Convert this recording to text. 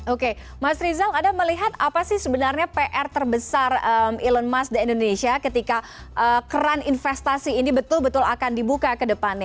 oke mas rizal anda melihat apa sih sebenarnya pr terbesar elon musk di indonesia ketika keran investasi ini betul betul akan dibuka ke depannya